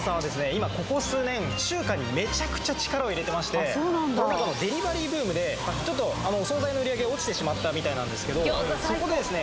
今ここ数年中華にめちゃくちゃ力を入れてましてコロナ禍のデリバリーブームでちょっとお惣菜の売り上げが落ちてしまったみたいなんですけどそこでですね